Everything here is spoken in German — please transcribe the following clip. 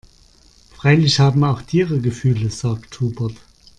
Freilich haben auch Tiere Gefühle, sagt Hubert.